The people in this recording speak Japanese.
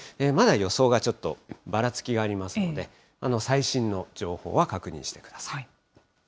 まだ予想がちょっとばらつきがありますので、最新の情報は確認してください。